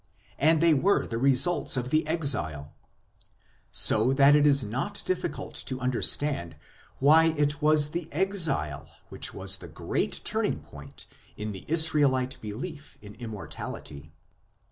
And they were the results of the Exile. So that it is not difficult to understand why it was the Exile which was the great turning point in the Israelite belief in Immor tality.